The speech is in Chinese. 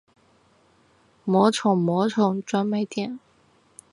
魔宠魔宠专卖店